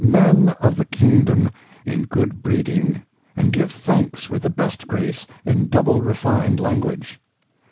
131 Men of the Kingdom in good Breeding, and give Thanks with the best Grace, in double refined Language.